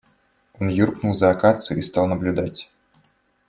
Он юркнул за акацию и стал наблюдать.